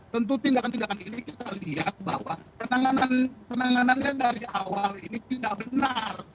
tentu tindakan tindakan ini kita lihat bahwa penanganannya dari awal ini tidak benar